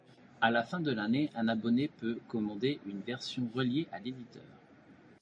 À la fin de l'année, un abonné peut commander une version reliée à l'éditeur.